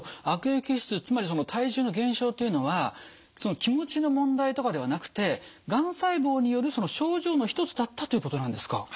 悪液質つまりその体重の減少というのは気持ちの問題とかではなくてがん細胞による症状の一つだったっていうことなんですか。